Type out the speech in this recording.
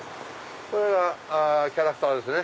これがキャラクターですね。